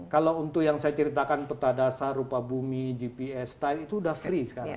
kalau untuk yang saya ceritakan peta dasar rupa bumi gps ty itu sudah free sekarang